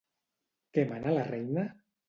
Què mana la reina?